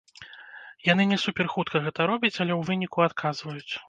Яны не суперхутка гэта робяць, але ў выніку адказваюць.